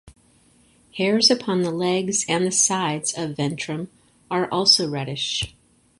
Hairs upon the legs and the sides of ventrum are also reddish.